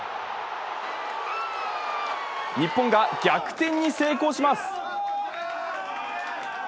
日本が逆転に成功します。